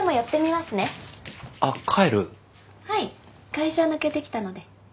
会社抜けてきたので。